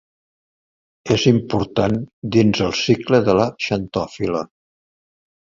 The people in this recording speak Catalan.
És important dins el cicle de la xantofil·la.